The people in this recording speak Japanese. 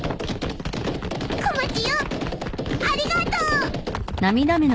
狛ちよありがとう！